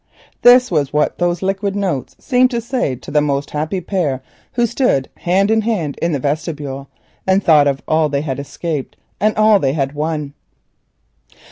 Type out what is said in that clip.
This is what those liquid notes seemed to say to the most happy pair who stood hand in hand in the vestibule and thought on all they had escaped and all that they had won.